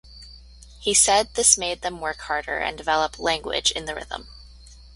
He said this made them work harder and develop "language" in the rhythm.